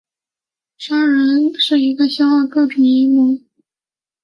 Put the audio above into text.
砂轮是一个消耗的各种研磨和磨削加工操作中使用的磨料化合物组成的。